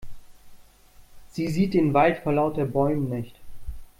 Sie sieht den Wald vor lauter Bäumen nicht.